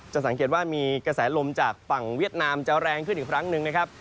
สังเกตว่ามีกระแสลมจากฝั่งเวียดนามจะแรงขึ้นอีกครั้งหนึ่งนะครับ